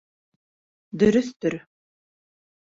Дөрөҫтөр.